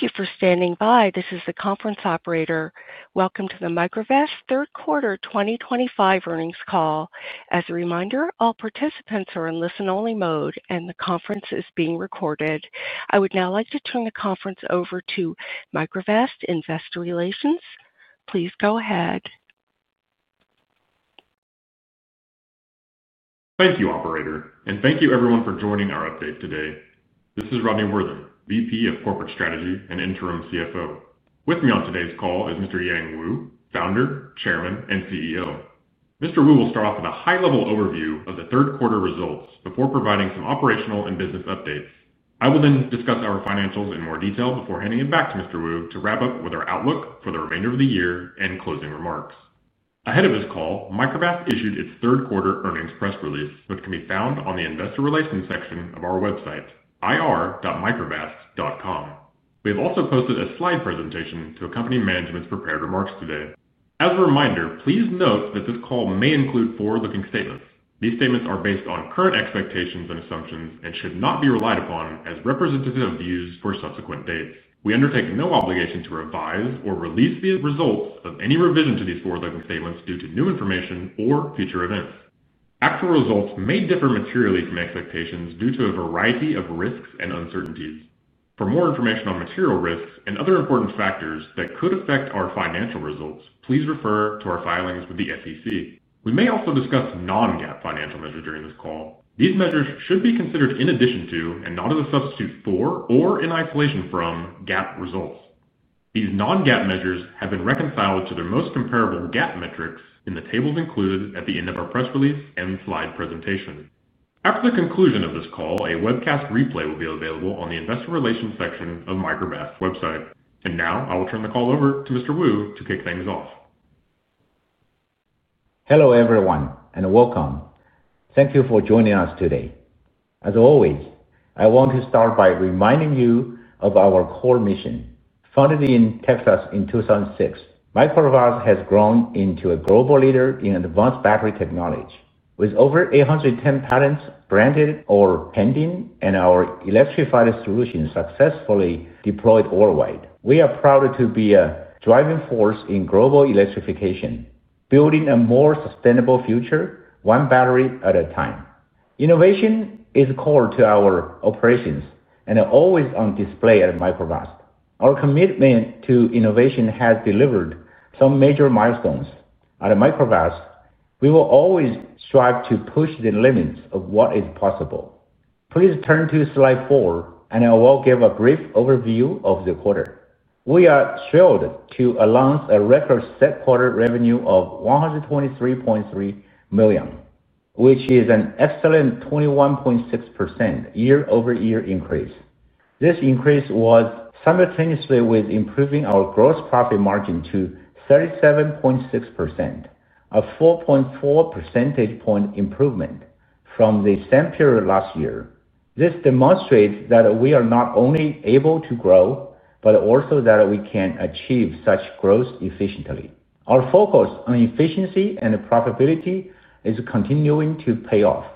Thank you for standing by. This is the conference Operator. Welcome to the Microvast third quarter 2025 earnings call. As a reminder, all participants are in listen only mode and the conference is being recorded. I would now like to turn the conference over to Microvast Investor Relations. Please go ahead. Thank you, Operator. Thank you, everyone, for joining our update today. This is Rodney Worthen, VP of Corporate Strategy and Interim CFO. With me on today's call is Mr. Yang Wu, Founder, Chairman, and CEO. Mr. Wu will start off with a high-level overview of the third quarter results before providing some operational and business updates. I will then discuss our financials in more detail before handing it back to Mr. Wu to wrap up with our outlook for the remainder of the year and closing remarks. Ahead of this call, Microvast issued its third quarter earnings press release, which can be found on the Investor Relations section of our website, ir.microvast.com. We have also posted a slide presentation to accompany management's prepared remarks today. As a reminder, please note that this call may include forward-looking statements. These statements are based on current expectations and assumptions and should not be relied upon as representative used for subsequent dates. We undertake no obligation to revise or release the results of any revision to these forward looking statements due to new information or future events. Actual results may differ materially from expectations due to a variety of risks and uncertainties. For more information on material risks and other important factors that could affect our financial results, please refer to our filings with the SEC. We may also discuss non-GAAP financial measures during this call. These measures should be considered in addition to and not as a substitute for or in isolation from GAAP results. These non-GAAP measures have been reconciled to their most comparable GAAP metrics in the tables included at the end of our press release and slide presentation. After the conclusion of this call, a webcast replay will be available on the Investor Relations section of Microvast's website. I will turn the call over to Mr. Wu to kick things off. Hello everyone and welcome. Thank you for joining us today. As always, I want to start by reminding you of our core mission. Founded in Texas in 2006, Microvast has grown into a global leader in advanced battery technology. With over 810 patents granted or pending and our electrified solutions successfully deployed worldwide, we are proud to be a driving force in global electrification, building a more sustainable future one battery at a time. Innovation is core to our operations and always on display at Microvast. Our commitment to innovation has delivered some major milestones at Microvast. We will always strive to push the limits of what is possible. Please turn to slide four and I will give a brief overview of the quarter. We are thrilled to announce a record set quarter revenue of $123.3 million, which is an excellent 21.6% year-over-year increase. This increase was simultaneously with improving our gross profit margin to 37.6%, a 4.4 percentage point improvement from the same period last year. This demonstrates that we are not only able to grow, but also that we can achieve such growth efficiently. Our focus on efficiency and profitability is continuing to pay off.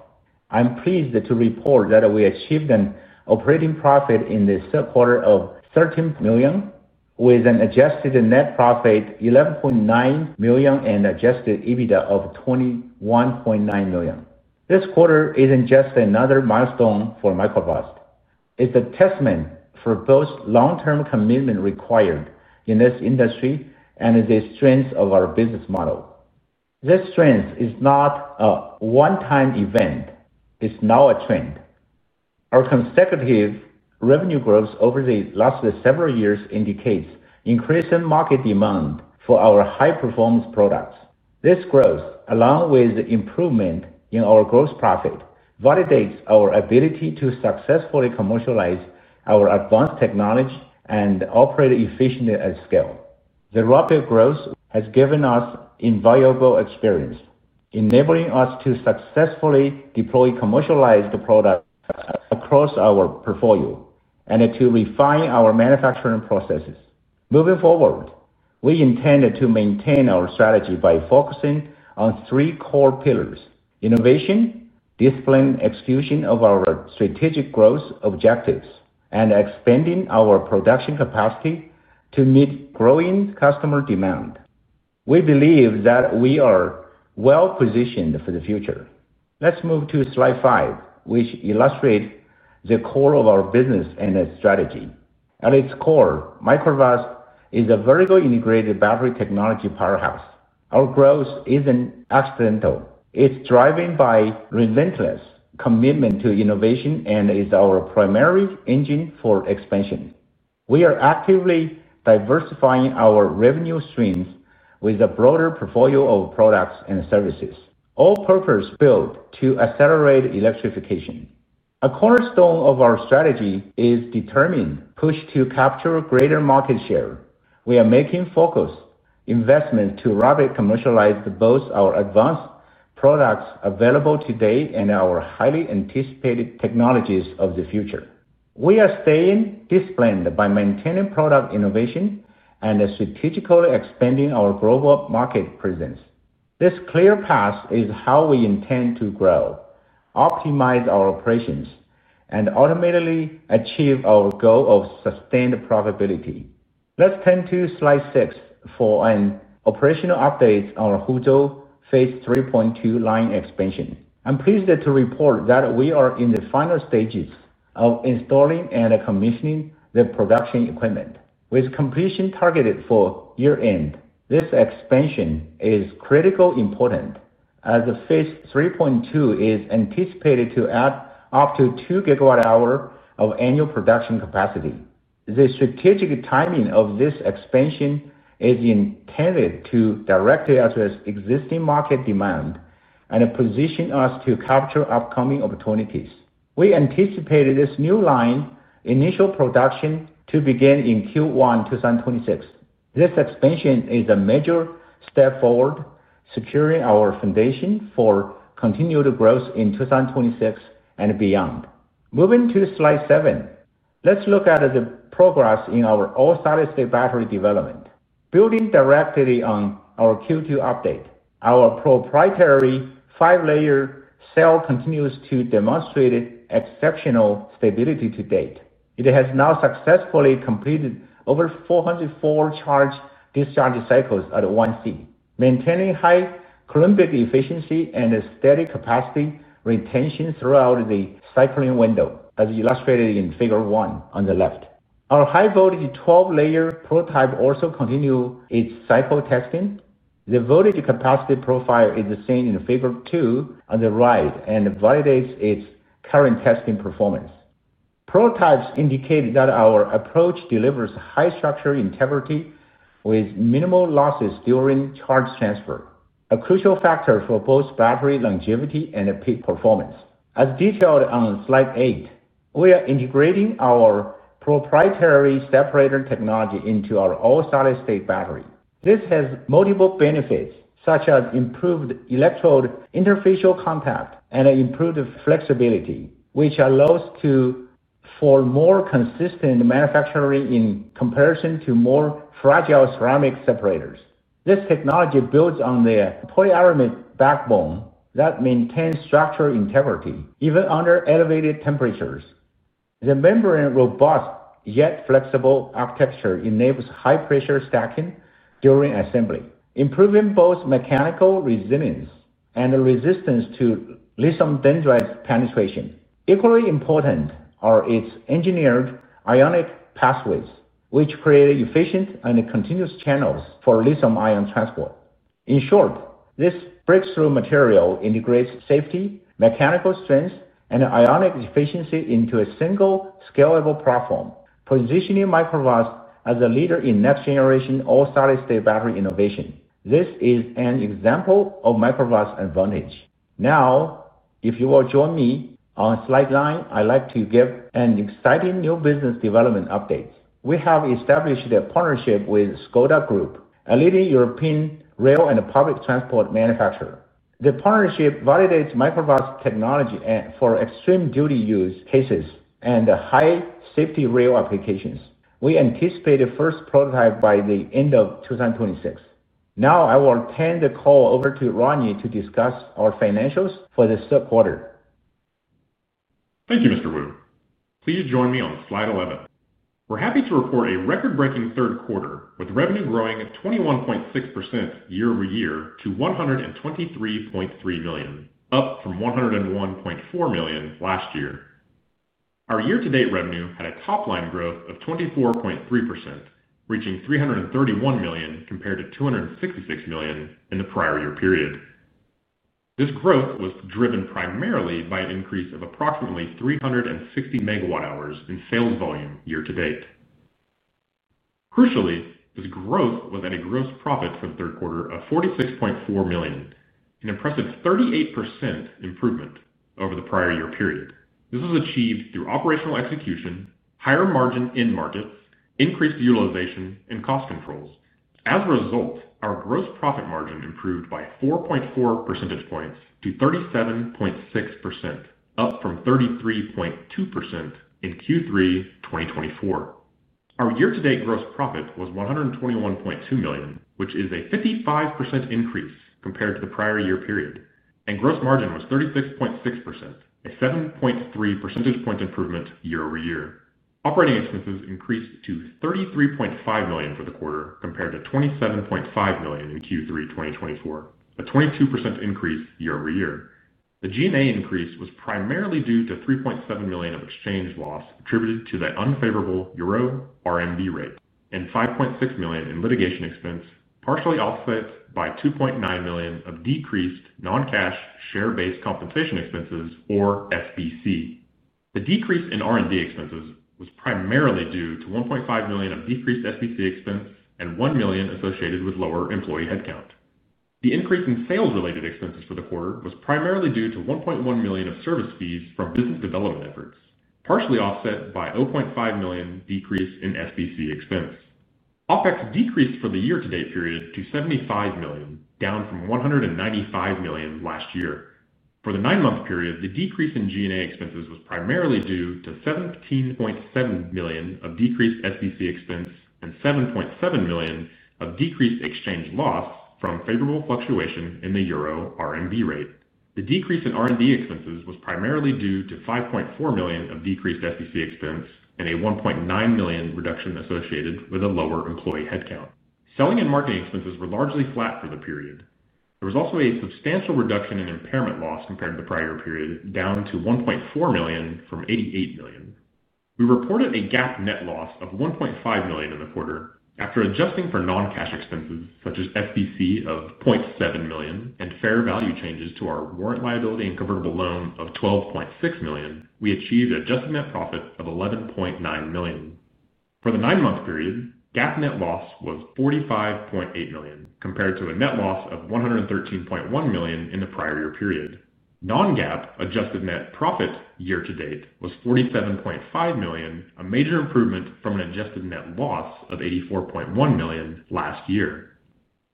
I'm pleased to report that we achieved an operating profit in third quarter of $13 million with an adjusted net profit $11.9 million and Adjusted EBITDA of $21.9 million. This quarter isn't just another milestone for Microvast. It's a testament for both long term commitment required in this industry and the strength of our business model. This strength is not a one time event. It's now a trend. Our consecutive revenue growth over the last several years indicates increasing market demand for our high performance products. This growth, along with improvement in our gross profit, validates our ability to successfully commercialize our advanced technology and operate efficiently at scale. The rapid growth has given us invaluable experience, enabling us to successfully deploy commercialized products across our portfolio and to refine our manufacturing processes. Moving forward, we intend to maintain our strategy by focusing on three core innovation, disciplined execution of our strategic growth objectives, and expanding our production capacity to meet growing customer demand. We believe that we are well positioned for the future. Let's move to slide five, which illustrates the core of our business and its strategy. At its core, Microvast is a vertically integrated battery technology powerhouse. Our growth isn't accidental. It's driven by relentless commitment to innovation and is our primary engine for expansion. We are actively diversifying our revenue streams with a broader portfolio of products and services, all purpose built to accelerate electrification. A cornerstone of our strategy is a determined push to capture greater market share. We are making focused investments to rapidly commercialize both our advanced products available today and our highly anticipated technologies of the future. We are staying disciplined by maintaining product innovation and strategically expanding our global market presence. This clear path is how we intend to grow, optimize our operations, and ultimately achieve our goal of sustained profitability. Let's turn to Slide six for an operational update on Huzhou phase 3.2 line expansion. I'm pleased to report that we are in the final stages of installing and commissioning the production equipment, with completion targeted for year end. This expansion is critically important as the phase 3.2 is anticipated to add up to 2 GWh of annual production capacity. The strategic timing of this expansion is intended to directly address existing market demand and position us to capture upcoming opportunities. We anticipate this new line initial production to begin in Q1 2026. This expansion is a major step forward, securing our foundation for continued growth in 2026 and beyond. Moving to Slide seven, let's look at the progress in our all solid state battery development. Building directly on our Q2 update, our proprietary five layer cell continues to demonstrate exceptional stability to date. It has now successfully completed over 400 charge-discharge cycles at 1C, maintaining high coulombic efficiency and steady capacity retention throughout the cycling window. As illustrated in figure 1 on the left, our high voltage 12 layer prototype also continues its cycle testing. The voltage capacity profile is the same in figure 2 on the right and validates its current testing performance. Prototypes indicate that our approach delivers high structural integrity with minimal losses during charge transfer, a crucial factor for both battery longevity and peak performance. As detailed on slide eight, we are integrating our proprietary separator technology into our all solid state battery. This has multiple benefits such as improved electrode interfacial contact and improved flexibility which allows for more consistent manufacturing in comparison to more fragile ceramic separators. This technology builds on the polyaramide backbone that maintains structural integrity even under elevated temperatures. The membrane's robust yet flexible architecture enables high pressure stacking during assembly, improving both mechanical resilience and resistance to lithium dendrite penetration. Equally important are its engineered ionic pathways which create efficient and continuous channels for lithium ion transport. In short, this breakthrough material integrates safety, mechanical strength, and ionic efficiency into a single scalable platform, positioning Microvast as a leader in next-generation all-solid-state battery innovation. This is an example of Microvast advantage. Now if you will join me on slide nine, I'd like to give an exciting new business development update. We have established a partnership with Škoda Group, a leading European rail and public transport manufacturer. The partnership validates Microvast technology for extreme duty use cases and high safety rail applications. We anticipate the first prototype by the end of 2026. Now I will turn the call over to Rodney to discuss our financials for the third quarter. Thank you Mr. Wu. Please join me on slide 11. We're happy to report a record-breaking third quarter with revenue growing 21.6% year-over-year to $123.3 million, up from $101.4 million last year. Our year-to-date revenue had a top-line growth of 24.3% reaching $331 million compared to $266 million in the prior year period. This growth was driven primarily by an increase of approximately 360 MW hours in sales volume year-to-date. Crucially, this growth was at a gross profit for the third quarter of $46.4 million, an impressive 38% improvement over the prior year period. This was achieved through operational execution, higher margin, end-market, increased utilization and cost controls. As a result, our gross profit margin improved by 4.4 percentage points to 37.6% up from 33.2% in Q3 2024. Our year-to-date, gross profit was $121.2 million which is a 55% increase compared to the prior year period and gross margin was 36.6%, a 7.3 percentage point improvement year-over-year. Operating expenses increased to $33.5 million for the quarter compared to $27.5 million in Q3 2024, a 22% increase year-over-year. The G&A increase was primarily due to $3.7 million of exchange loss attributed to the unfavorable Euro RMB rate and $5.6 million in litigation expense partially offset by $2.9 million of decreased non-cash, share-based compensation expenses or SBC. The decrease in R&D expenses was primarily due to $1.5 million of decreased SBC expense and $1 million associated with lower employee headcount. The increase in sales related expenses for the quarter was primarily due to $1.1 million of service fees from business development efforts partially offset by a $500,000 decrease in SBC expense. OpEx decreased for the year-to-date period to $75 million, down from $195 million last year for the nine month period. The decrease in G&A expenses was primarily due to $17.7 million of decreased SBC expense and $7.7 million of decreased exchange loss from favorable fluctuation in the euro RMB rate. The R&D expenses was primarily due to $5.4 million of decreased SBC expense and a $1.9 million reduction associated with a lower employee headcount. Selling and marketing expenses were largely flat for the period. There was also a substantial reduction in impairment loss compared to the prior year period, down to $1.4 million from $88 million. We reported a GAAP net loss of $1.5 million in the quarter after adjusting for non-cash expenses such as SBC of $0.7 million and fair value changes to our warrant liability and convertible loan of $12.6 million. We achieved adjusted net profit of $11.9 million. For the nine-month period, GAAP net loss was $45.8 million compared to a net loss of $113.1 million in the prior year period. Non-GAAP adjusted net profit year-to-date was $47.5 million, a major improvement from an adjusted net loss of $84.1 million last year.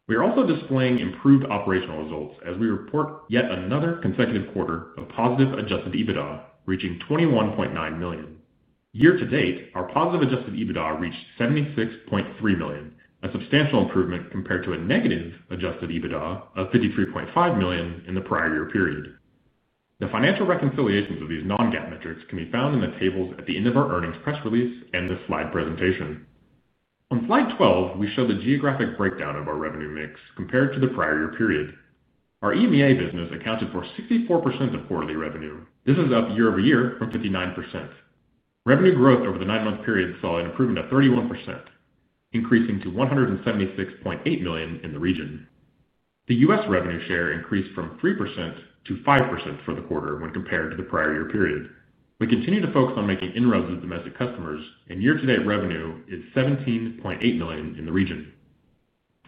We are also displaying improved operational results as we report yet another consecutive quarter of positive Adjusted EBITDA reaching $21.9 million. Year to date our positive Adjusted EBITDA reached $76.3 million, a substantial improvement compared to a negative Adjusted EBITDA of $53.5 million in the prior year period. The financial reconciliations of these non-GAAP metrics can be found in the tables at the end of our earnings press release and this slide presentation. On slide 12, we show the geographic breakdown of our revenue mix compared to the prior year period. Our EMEA business accounted for 64% of quarterly revenue. This is up year-over-year from 59%. Revenue growth over the nine-month period saw an improvement of 31%, increasing to $176.8 million in the region. The US revenue share increased from 3%-5% for the quarter when compared to the prior year period. We continue to focus on making inroads with domestic customers and year-to-date revenue is $17.8 million in the region.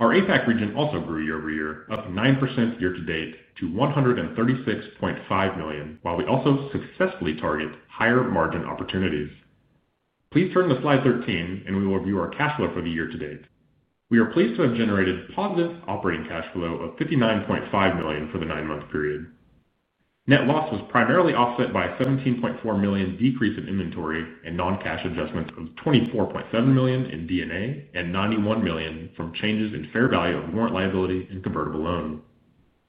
Our APAC region also grew year-over-year, up 9% year-to-date to $136.5 million. While we also successfully target higher margin opportunities, please turn to slide 13 and we will review our cash flow for the year-to-date. We are pleased to have generated positive operating cash flow of $59.5 million for the nine month period. Net loss was primarily offset by a $17.4 million decrease in inventory and non-cash adjustments of $24.7 million in D&A and $91 million from changes in fair value of warrant liability and convertible loan.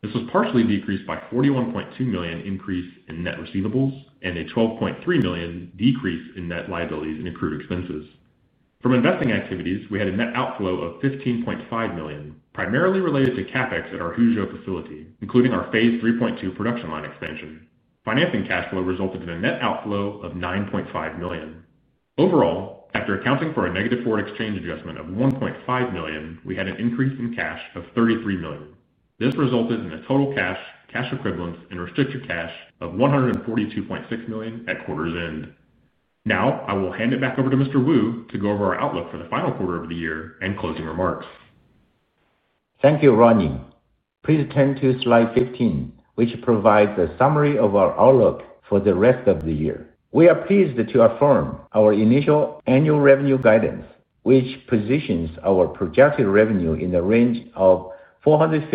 This was partially decreased by a $41.2 million increase in net receivables and a $12.3 million decrease in accrued expenses from investing activities. We had a net outflow of $15.5 million primarily related to CapEx at our Huzhou facility, including our phase 3.2 production line expansion. Financing cash flow resulted in a net outflow of $9.5 million. Overall, after accounting for a negative forward exchange adjustment of $1.5 million, we had an increase in cash of $33 million. This resulted in a total cash, cash equivalents, and restricted cash of $142.6 million at quarter's end. Now I will hand it back over to Mr. Wu to go over our outlook for the final quarter of the year and closing remarks. Thank you Ronnie. Please turn to slide 15 which provides a summary of our outlook for the rest of the year. We are pleased to affirm our initial annual revenue guidance which positions our projected revenue in the range of $450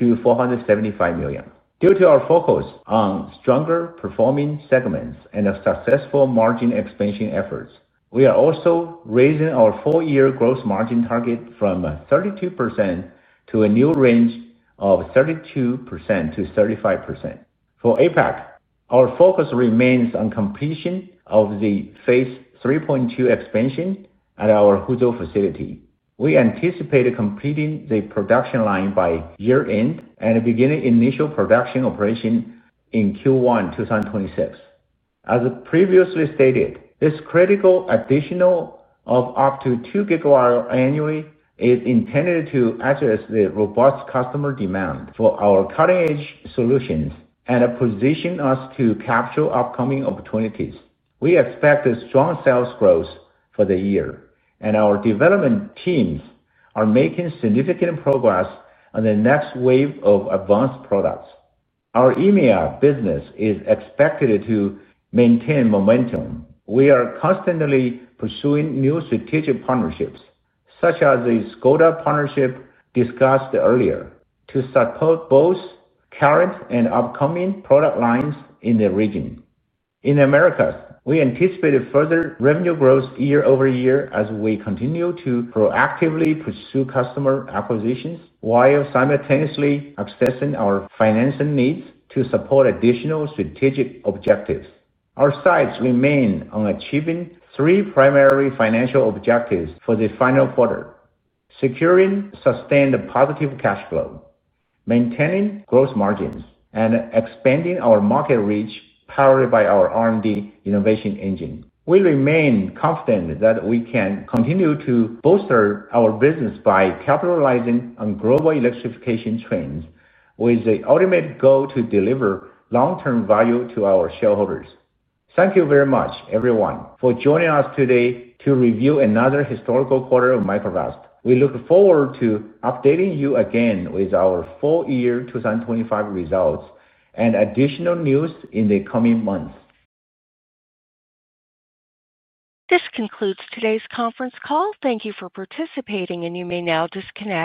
million-$475 million. Due to our focus on stronger performing segments and successful margin expansion efforts, we are also raising our full year gross margin target from 32% to a new range of 32%-35% for APAC. Our focus remains on completion of the phase 3.2 expansion at our Huzhou facility. We anticipate completing the production line by year end and beginning initial production operation in Q1 2026. As previously stated, this critical addition of up to 2 GWh annually is intended to address the robust customer demand for our cutting-edge solutions and position us to capture upcoming opportunities. We expect strong sales growth for the year and our development teams are making significant progress on the next wave of advanced products. Our EMEA business is expected to maintain momentum. We are constantly pursuing new strategic partnerships such as the Škoda Partnership discussed earlier to support both current and upcoming product lines in the region. In the Americas, we anticipate further revenue growth year-over-year as we continue to proactively pursue customer acquisitions while simultaneously assessing our financing needs to support additional strategic objectives. Our sights remain on achieving three primary financial objectives for the final quarter securing sustained positive cash flow, maintaining gross margins, and expanding our market reach. Powered by our R&D innovation engine, we remain confident that we can continue to bolster our business by capitalizing on global electrification trends with the ultimate goal to deliver long-term value to our shareholders. Thank you very much everyone for joining us today to review another historical quarter of Microvast. We look forward to updating you again with our full year 2025 results and additional news in the coming months. This concludes today's conference call. Thank you for participating and you may now disconnect.